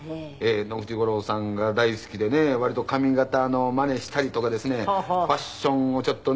野口五郎さんが大好きでね割と髪形のまねしたりとかですねファッションをちょっとね。